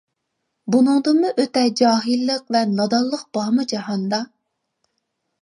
بۇنىڭدىنمۇ ئۆتە جاھىللىق ۋە نادانلىق بارمۇ جاھاندا!